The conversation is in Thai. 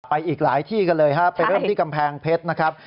อีกหลายที่กันเลยครับไปเริ่มที่กำแพงเพชรนะครับ